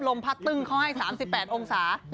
พัดตึ้งเขาให้๓๘องศา